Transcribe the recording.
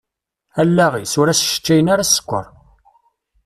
Allaɣ-is, ur as-sseččayen ara ssekker.